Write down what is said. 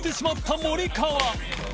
森川）